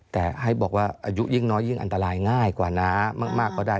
แต่ให้บอกว่าอายุยิ่งน้อยยิ่งอันตรายง่ายกว่าน้ามากก็ได้